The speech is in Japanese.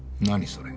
それ。